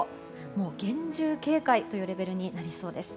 もう、厳重警戒というレベルになりそうです。